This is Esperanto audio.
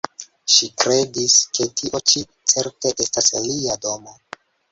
Ŝi kredis ke tio ĉi certe estas lia domo.